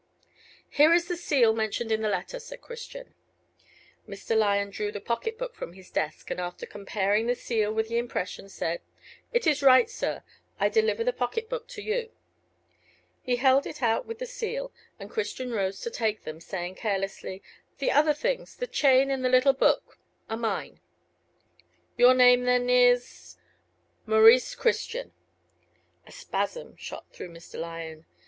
"Here is the seal mentioned in the letter," said Christian. Mr. Lyon drew the pocket book from his desk, and after comparing the seal with the impression, said, "It is right, sir: I deliver the pocket book to you." He held it out with the seal, and Christian rose to take them, saying carelessly, "The other things the chain and the little book are mine." "Your name then is " "Maurice Christian." A spasm shot through Mr. Lyon.